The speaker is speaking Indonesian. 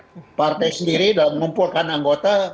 jadi partai sendiri dalam mengumpulkan anggota